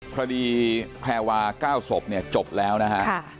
ภรรีแพลวา๙ศพจบแล้วนะครับ